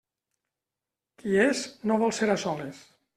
Qui és, no vol ser a soles.